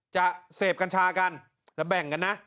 จะเสพกัญชากันแล้วแบ่งกันนะ